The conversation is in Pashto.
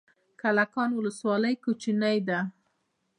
کلکان ولسوالۍ کوچنۍ ده؟